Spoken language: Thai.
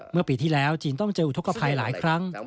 เมื่อปีที่แล้วจีนต้องเจออุทธกภัยหลายครั้ง